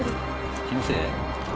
気のせい？